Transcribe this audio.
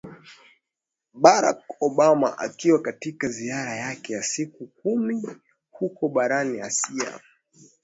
barack obama akiwa katika ziara yake ya siku kumi huko barani asia